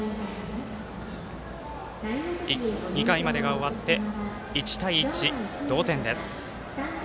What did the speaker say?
２回までが終わって１対１同点です。